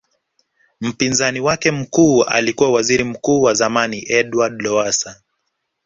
Mpinzani wake mkuu alikuwa Waziri Mkuu wa zamani Edward Lowassa